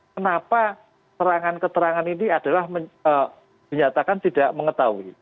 kenapa terangan keterangan ini adalah menyatakan tidak mengetahui